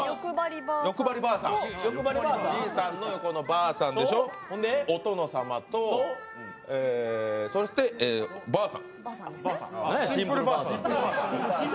じいさんの横のばあさんでしょ、お殿様と、そしてばあさん。